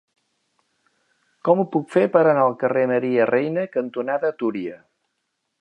Com ho puc fer per anar al carrer Maria Reina cantonada Túria?